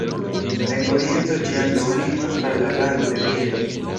En oriento ĝi ankaŭ limas al la Lago de Bielo.